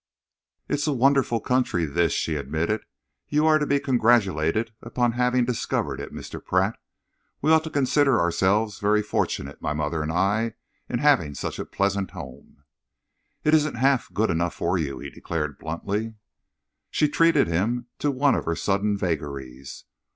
"It is a wonderful country, this," she admitted. "You are to be congratulated upon having discovered it, Mr. Pratt. We ought to consider ourselves very fortunate, my mother and I, in having such a pleasant home." "It isn't half good enough for you," he declared bluntly. She treated him to one of her sudden vagaries.